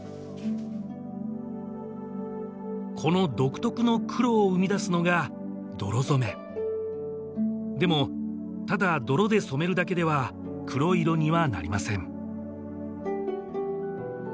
この独特の黒を生み出すのが泥染めでもただ泥で染めるだけでは黒い色にはなりません